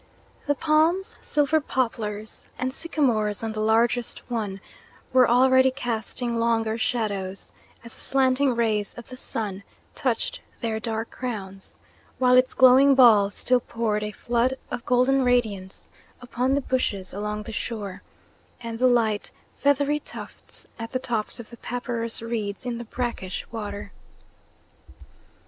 The palms, silver poplars, and sycamores on the largest one were already casting longer shadows as the slanting rays of the sun touched their dark crowns, while its glowing ball still poured a flood of golden radiance upon the bushes along the shore, and the light, feathery tufts at the tops of the papyrus reeds in the brackish water.